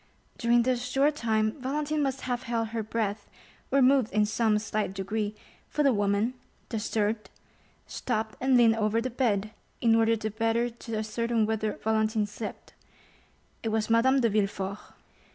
During this short time Valentine must have held her breath, or moved in some slight degree, for the woman, disturbed, stopped and leaned over the bed, in order the better to ascertain whether Valentine slept: it was Madame de Villefort.